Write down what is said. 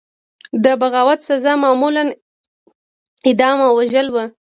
د بغاوت سزا معمولا اعدام او وژل وو.